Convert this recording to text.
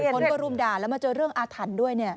คนก็รุมด่าแล้วมาเจอเรื่องอาถรรพ์ด้วยเนี่ย